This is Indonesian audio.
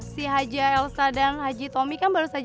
si haji ael sadang haji tommy kan belum selesai ya